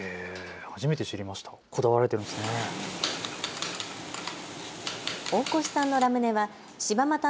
初めて知りました。